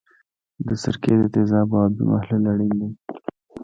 د سرکې د تیزابو آبي محلول اړین دی.